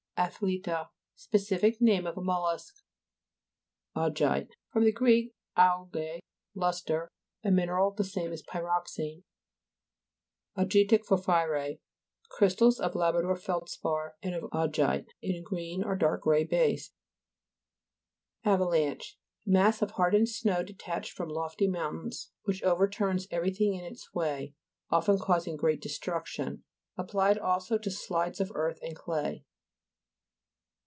ATHLE'TA Specific name of mol lusk. AU'GITE fr. gr. auge, lustre. A mineral, the same as pyroxene. AU'GITIC PORPHYRY Crystals of Labrador feldspar, and of augite in a green or dark grey base. AVALA'NCHE Mass of hardened snow, detached from lofty moun tains, which overturns everything in its way, often causing great de struction. Applied also to slides of earth and clay.